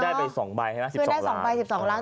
เพื่อนได้๒ใบ๑๒ล้าน